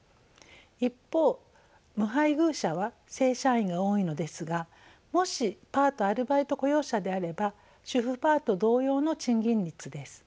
一方無配偶者は正社員が多いのですがもしパートアルバイト雇用者であれば主婦パート同様の賃金です。